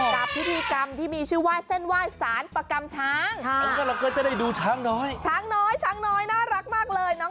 กับพิธีกรรมที่มีชื่อว่าเส้นว่ายสารประกรรมช้าง